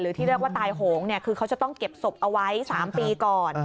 ที่เรียกว่าตายโหงคือเขาจะต้องเก็บศพเอาไว้๓ปีก่อน